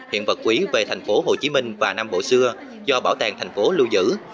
hiện vật quý về tp hcm và nam bộ xưa do bảo tàng tp hcm lưu giữ